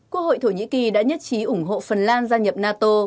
quốc hội thổ nhĩ kỳ đã nhất trí ủng hộ phần lan gia nhập nato